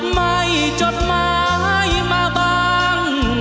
ไม่จดหมายมาบาง